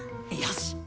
よし！